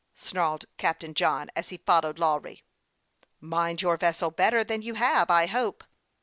snarled Captain John, as he followed Lawry. " Mind your vessel better than you have, I hope."